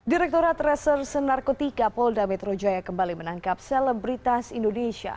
direkturat reserse narkotika polda metro jaya kembali menangkap selebritas indonesia